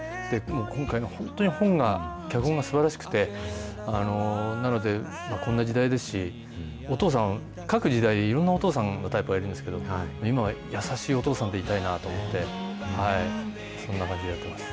今回、本当に本が、脚本がすばらしくて、なので、こんな時代ですし、お父さん、各時代、いろんなお父さんのタイプがいるんですけど、今は優しいお父さんでいたいなと思って、そんな感じでやってます。